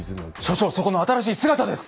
所長そこの新しい姿です！